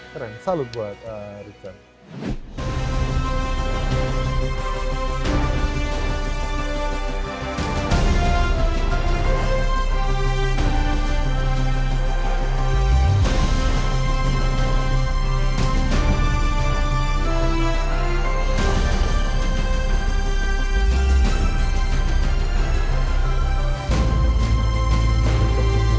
terang salut buat richard